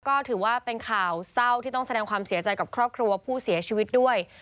ก็ถือว่าเป็นข่าวเศร้าที่ต้องแสดงความเสียใจกับครอบครัวผู้เสียชีวิตด้วย